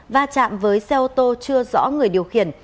va chạm với xe ô tô chưa rõ người điều khiển